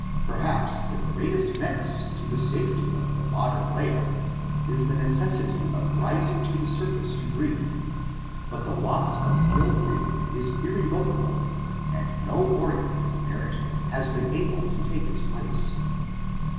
Perhaps the greatest menace to the safety of the modern whale is the necessity of rising to the surface to breathe, but the loss of gill breathing is irrevocable and no organ apparently has 282 ORGANIC EVOLUTION been able to take its place (see Chapter XX).